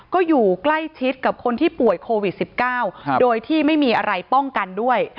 ก็อยู่ใกล้ชิดกับคนที่ป่วยโควิด๑๙โดยที่ไม่มีอะไรป้องกันด้วย